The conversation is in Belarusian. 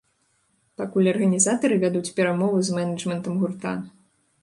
Пакуль арганізатары вядуць перамовы з мэнэджмэнтам гурта.